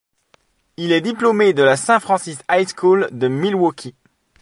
Il est diplômé de la St Francis High School de Milwaukee.